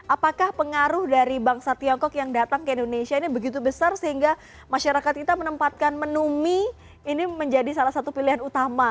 apakah pengaruh dari bangsa tiongkok yang datang ke indonesia ini begitu besar sehingga masyarakat kita menempatkan menu mie ini menjadi salah satu pilihan utama